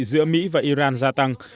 giữa mỹ và iran gia tăng